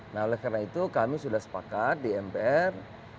nah oleh karena itu kami sudah sepakat di mpr